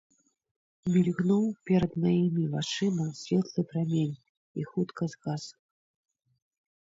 Мільгнуў перад маімі вачыма светлы прамень і хутка згас.